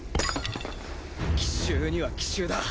奇襲には奇襲だ。